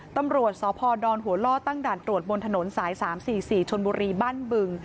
ตำรวจสพดหัวล่อตั้งด่านตรวจบนถนนสาย๓๔๔ชนบุรีบ้านบึง